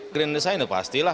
green design itu pastilah